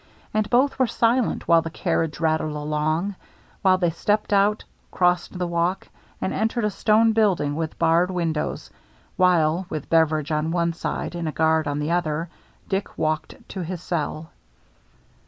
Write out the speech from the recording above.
And both were silent while the carriage rattled along, while they stepped out, crossed the walk, and entered a stone building with barred windows, while, with Beveridge on one side and a guard on the other, Dick walked to his cell.